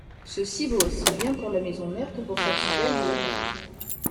Ceci vaut aussi bien pour la maison mère que pour sa filiale lyonnaise.